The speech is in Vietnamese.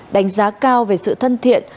đánh giá cao về sự thân thiện